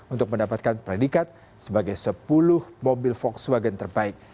untuk mendapatkan predikat sebagai sepuluh mobil volkswagen terbaik